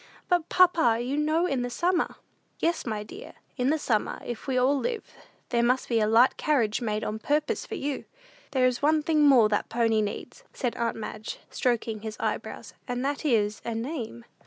"But, papa, you know in the summer!" "Yes, my dear, in the summer, if we all live, there must be a light carriage made on purpose for you." "There is one thing more that pony needs," said aunt Madge, stroking his eyebrows, "and that is, a name."